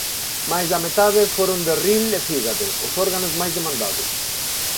Máis da metade foron de ril e fígado, os órganos máis demandados.